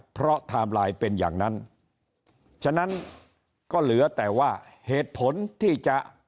เพราะไทม์ไลน์เป็นอย่างนั้นฉะนั้นก็เหลือแต่ว่าเหตุผลที่จะ